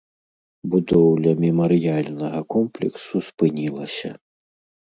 Будоўля мемарыяльнага комплексу спынілася.